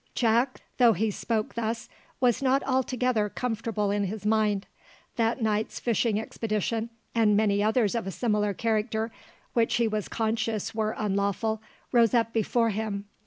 Jack, though he spoke thus, was not altogether comfortable in his mind. That night's fishing expedition, and many others of a similar character, which he was conscious were unlawful, rose up before him.